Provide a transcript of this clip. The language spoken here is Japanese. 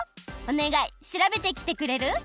おねがいしらべてきてくれる？